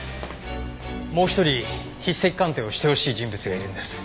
もう一人筆跡鑑定をしてほしい人物がいるんです。